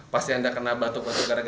pasti anda kena batuk batuk